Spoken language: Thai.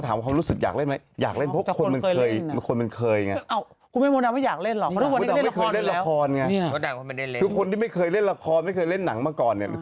แต่ว่าไม่เคยเล่นละครไงคือคนที่ไม่เคยเล่นละครไม่เคยเล่นหนังมาก่อนเนี่ย